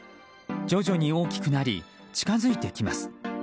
徐々に大きくなり近づいてきます。